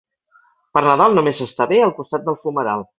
Per Nadal només s'està bé al costat del fumeral.